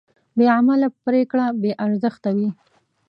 بېعمله پرېکړه بېارزښته وي.